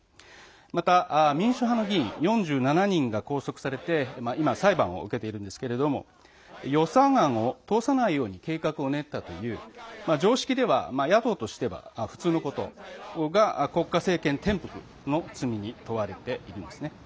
また、民主派議員４７人が拘束されて今、裁判を受けているんですけど予算案を通さないように計画を練ったという常識では野党としては普通のことが国家政権転覆の罪に問われています。